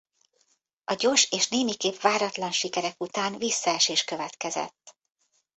A gyors és némiképp váratlan sikerek után visszaesés következett.